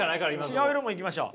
違う色もいきましょう。